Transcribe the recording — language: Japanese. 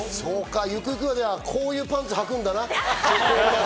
ゆくゆくはこういうパンツはくんだな。